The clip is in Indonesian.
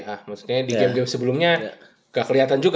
ah maksudnya di game game sebelumnya gak kelihatan juga